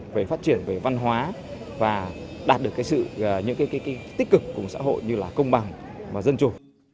về phát triển về văn hóa và đạt được những cái tích cực của một xã hội như là công bằng và dân chủ